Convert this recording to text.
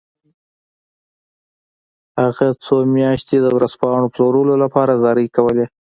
هغه څو میاشتې د ورځپاڼو پلورلو لپاره زارۍ کولې